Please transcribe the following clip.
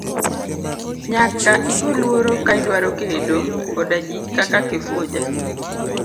Nyaka igo luoro ka idwaro kedo koda ji kaka Kifuja.